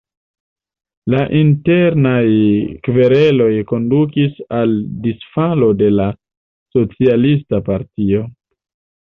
La internaj kvereloj kondukis al disfalo de la socialista partio.